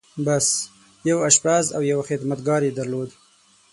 بس! يو آشپز او يو خدمتګار يې درلود.